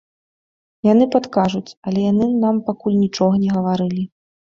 Яны падкажуць, але яны нам пакуль нічога не гаварылі.